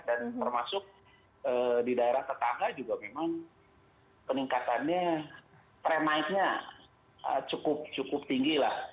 dan termasuk di daerah tetangga juga memang peningkatannya premaisnya cukup cukup tinggi lah